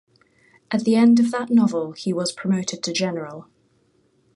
At the end of that novel he was promoted to General.